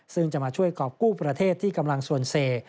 ซึ่งจะมาช่วยกรอบกู้ประเทศที่กำลังสวนเส